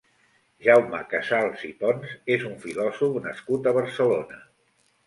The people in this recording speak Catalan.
Jaume Casals i Pons és un filòsof nascut a Barcelona.